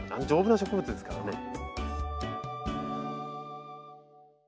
丈夫な植物ですからね。